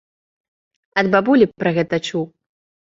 Ад бабулі пра гэта чуў.